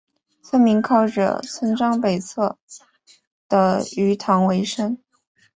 村民靠着村庄北侧的鱼塘维生。